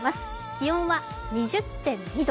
気温は２０．２度